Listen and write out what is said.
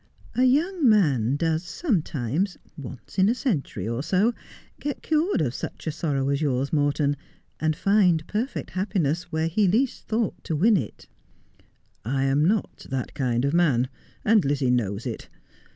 ' A young man does sometimes — once in a century or so — get cured of such a sorrow as yours, Morton, and find perfect happiness where he least thought to win it,' 310 Just as I Am. ' I ara not that kind of man, and Lizzie knows it.